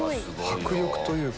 迫力というか。